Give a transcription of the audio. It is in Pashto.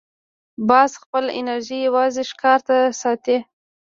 باز خپله انرژي یوازې ښکار ته ساتي